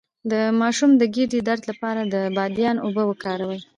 د ماشوم د ګیډې درد لپاره د بادیان اوبه وکاروئ